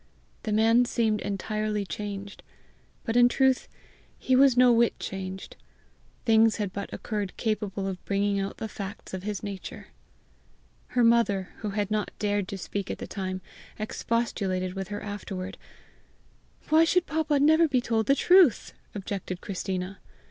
The man seemed entirely changed, but in truth he was no whit changed: things had but occurred capable of bringing out the facts of his nature. Her mother, who had not dared to speak at the time, expostulated with her afterward. "Why should papa never be told the truth?" objected Christina.